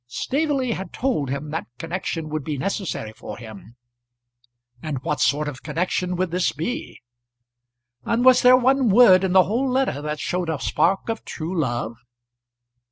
Staveley had told him that connection would be necessary for him, and what sort of a connection would this be? And was there one word in the whole letter that showed a spark of true love?